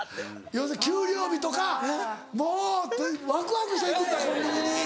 要するに給料日とかもうワクワクして行くんだコンビニに。